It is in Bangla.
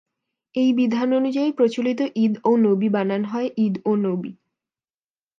এই বিধান অনুযায়ী প্রচলিত ঈদ ও নবী বানান হয় ইদ ও নবি।